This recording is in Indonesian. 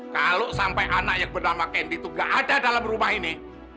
kalau sampai anak yang bernama kendi itu nggak ada dalam rumah ini